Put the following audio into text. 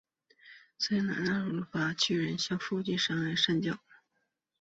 塞那阿巴斯巨人像附近的山脚。